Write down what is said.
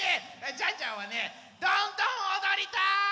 ジャンジャンはねどんどんおどりたい！